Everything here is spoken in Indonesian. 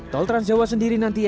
tol trans jawa sendiri nanti